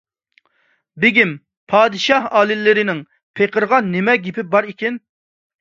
بېگىم، پادىشاھ ئالىيلىرىنىڭ پېقىرغا نېمە گېپى بار ئىكىن؟